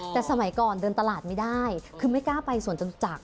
แต่สมัยก่อนเดินตลาดไม่ได้คือไม่กล้าไปสวนจตุจักร